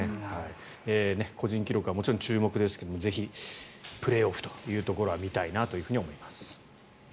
個人記録はもちろん注目ですがぜひプレーオフというところは見たいなと思います。